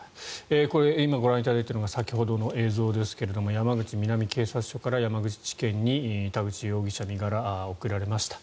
今ご覧いただいているのが先ほどの映像ですが山口南警察署から山口地検に田口容疑者身柄が送られました。